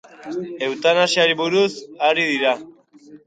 Eutanasiari buruz ari dira.